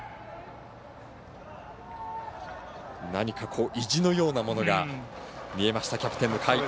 何か、意地のようなものが見えました、キャプテンの甲斐。